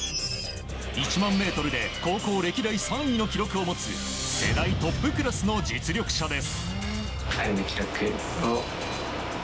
１００００ｍで高校歴代３位の記録を持つ世代トップクラスの実力者です。